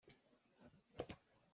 A paw ah naute aa sem cang.